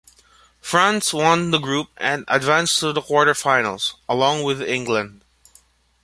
France won the group and advanced to the quarter-finals, along with England.